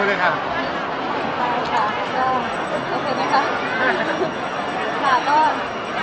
กระดงข่าวซื้อ